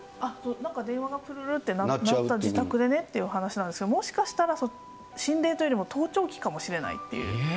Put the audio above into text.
電話がぷるるるって鳴ってた、自宅でねっていう、話なんですが、もしかしたら心霊よりも盗聴器かもしれないっていう。